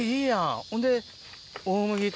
ほんで。